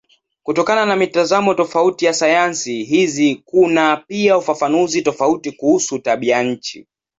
Kutokana na mitazamo tofauti ya sayansi hizi kuna pia ufafanuzi tofauti kuhusu tabianchi.